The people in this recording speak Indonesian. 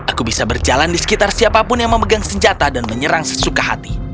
aku bisa berjalan di sekitar siapapun yang memegang senjata dan menyerang sesuka hati